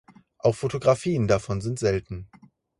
Auch Fotografien davon sind selten.